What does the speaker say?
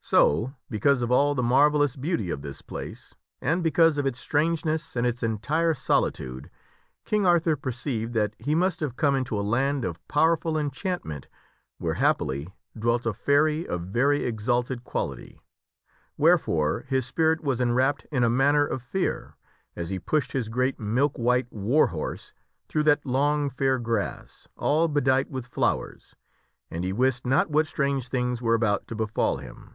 So, be* cause of all the marvellous beauty of this place, and because of its strange ness and its entire solitude, King Arthur perceived that he must have come into a land of powerful enchantment where, happily, dwelt a fairy of very exalted quality ; wherefore his spirit was enwrapped in a manner of fear, as he pushed his great milk white war horse through that long fair grass, all bedight with flowers, and he wist not what strange things were about to befall him.